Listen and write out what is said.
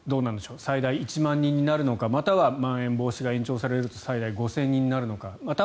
観客が最大１万人になるのかまたはまん延防止が延長されると最大５０００人になるのか。